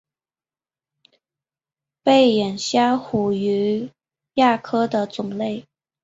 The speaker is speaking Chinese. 背眼虾虎鱼亚科的种类。